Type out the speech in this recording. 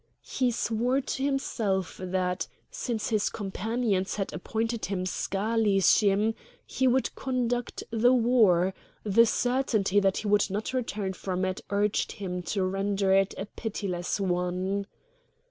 He swore to himself that, since his companions had appointed him schalishim, he would conduct the war; the certainty that he would not return from it urged him to render it a pitiless one.